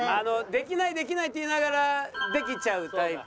できないできないって言いながらできちゃうタイプ。